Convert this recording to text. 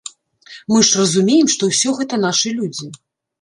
Мы ж разумеем, што ўсё гэта нашы людзі.